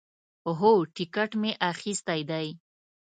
هو، ټیکټ می اخیستی دی